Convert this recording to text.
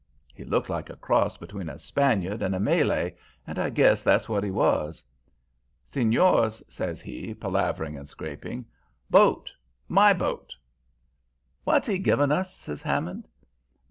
He looked like a cross between a Spaniard and a Malay, and I guess that's what he was. "'Senors,' says he, palavering and scraping, 'boat! my boat!' "'W'at's 'e giving us?' says Hammond.